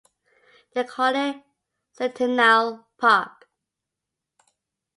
They called it Centennial Park.